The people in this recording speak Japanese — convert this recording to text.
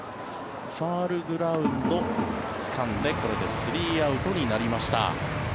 ファウルグラウンドつかんでこれで３アウトになりました。